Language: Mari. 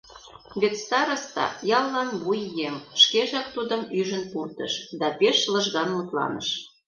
Вет староста, яллан вуй еҥ, шкежак тудым ӱжын пуртыш да пеш лыжган мутланыш.